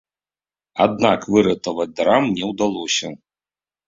Аднак выратаваць драм не ўдалося.